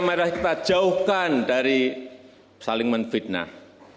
marilah kita jauhkan dari saling menfitnah